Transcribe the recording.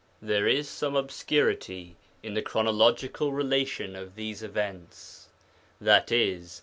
There is some obscurity in the chronological relation of these events, i.e.